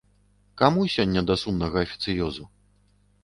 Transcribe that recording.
Каму сёння да сумнага афіцыёзу.